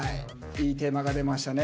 いいテーマが出ましたね。